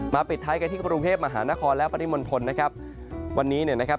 มาปิดท้ายกันที่กรุงเทพฯมหานครและปฏิมนต์พลนะครับวันนี้นะครับ